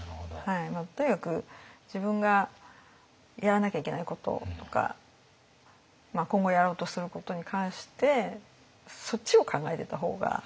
とにかく自分がやらなきゃいけないこととか今後やろうとすることに関してそっちを考えていった方が。